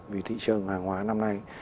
vì thị trường hàng hóa năm nay